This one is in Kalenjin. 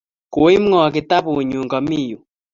Koip ng'o kitapunnyu kami yu.